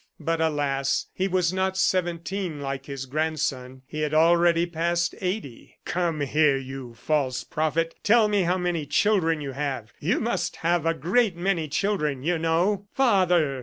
But alas! he was not seventeen like his grandson; he had already passed eighty. "Come here, you false prophet! Tell me how many children you have. ... You must have a great many children, you know!" "Father!"